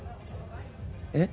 えっ？